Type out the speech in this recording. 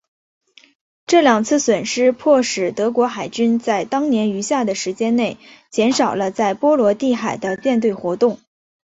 这两次损失迫使德国海军在当年余下的时间内减少了在波罗的海的舰队活动。